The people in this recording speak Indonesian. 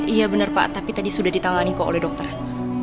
iya benar pak tapi tadi sudah ditangani oleh dokter